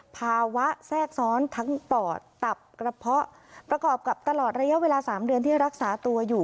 ภาวะแทรกซ้อนทั้งปอดตับกระเพาะประกอบกับตลอดระยะเวลา๓เดือนที่รักษาตัวอยู่